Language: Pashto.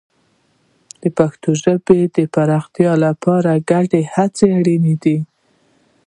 د پښتو ژبې د پراختیا لپاره ګډه هڅه اړینه ده.